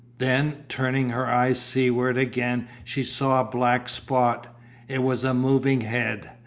Then, turning her eyes seaward again she saw a black spot; it was a moving head.